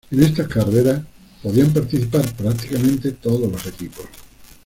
En estas carreras podían participar prácticamente todos los equipos.